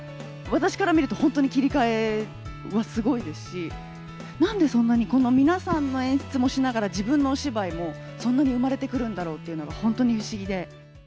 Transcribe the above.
私から見ると本当に切り替えはすごいですし、なんでそんなにこんな皆さんの演出もしながら自分のお芝居もそんなに生まれてくるんだろうっていうのが本当に不思議で。